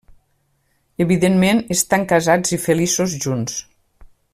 Evidentment estan casats i feliços junts.